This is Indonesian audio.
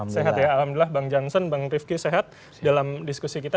sehat ya alhamdulillah bang jansen bang rifki sehat dalam diskusi kita